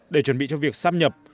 để chuẩn bị cho việc sắp nhập